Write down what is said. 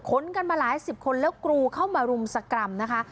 กันมาหลายสิบคนแล้วกรูเข้ามารุมสกรรมนะคะ